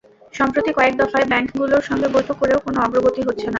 সম্প্রতি কয়েক দফায় ব্যাংকগুলোর সঙ্গে বৈঠক করেও কোনো অগ্রগতি হচ্ছে না।